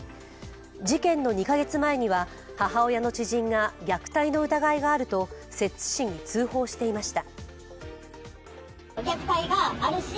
事件の２カ月前には、母親の知人が虐待の疑いがあると摂津市に通報していました。